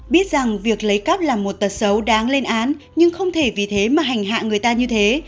biết rằng việc lấy cắp là một tật xấu đáng lên án nhưng không thể vì thế mà hành hạ người ta như thế